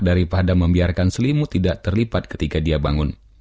daripada membiarkan selimut tidak terlipat ketika dia bangun